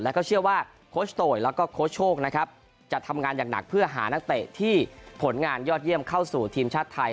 แล้วก็เชื่อว่าโค้ชโตยแล้วก็โค้ชโชคนะครับจะทำงานอย่างหนักเพื่อหานักเตะที่ผลงานยอดเยี่ยมเข้าสู่ทีมชาติไทย